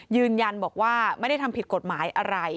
ยืนยันบอกว่าไม่ได้ทำผิดกฎหมายอะไร